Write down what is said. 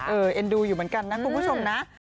เอ็นดูอยู่เหมือนกันนะคุณผู้ชมนะ